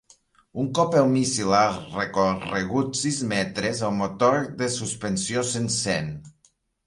Un cop el míssil ha recorregut sis metres, el motor de suspensió s'encén.